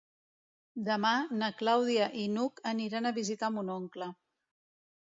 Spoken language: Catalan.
Demà na Clàudia i n'Hug aniran a visitar mon oncle.